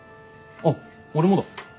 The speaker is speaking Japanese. あっ俺もだ。